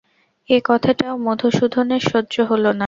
এ কথাটাও মধুসূদনের সহ্য হল না।